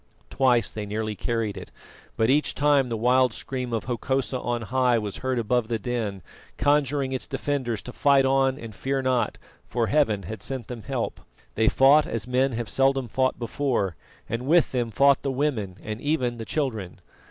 Twice they nearly carried it, but each time the wild scream of Hokosa on high was heard above the din, conjuring its defenders to fight on and fear not, for Heaven had sent them help. They fought as men have seldom fought before, and with them fought the women and even the children.